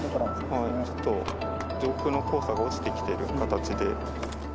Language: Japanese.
ちょっと上空の黄砂が落ちてきてる形で。